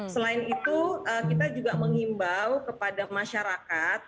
selain itu kita juga mengimbau kepada masyarakat